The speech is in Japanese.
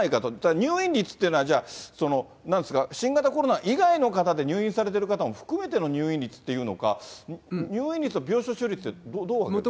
入院率って、じゃあ、なんですか、新型コロナ以外の方で入院されてる方も含めての入院率っていうのか、入院率や病床使用率ってどうなんですか。